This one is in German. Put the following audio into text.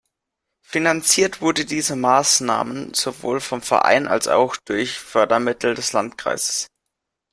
Finanziert wurden diese Maßnahmen sowohl vom Verein als auch durch Fördermittel des Landkreises.